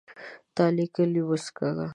تا ليکلې اوس کږه